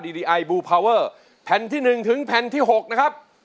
ดีดีไอบูร์พาวเวอร์แผ่นที่หนึ่งถึงแผ่นที่หกนะครับ